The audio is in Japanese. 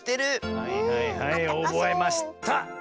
はいはいはいおぼえました！